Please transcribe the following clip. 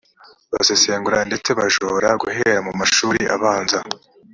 basesengura ndetse banajora guhera mu mashuri abanza